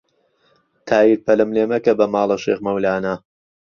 تایر پەلەم لێ مەکە بە ماڵە شێخ مەولانە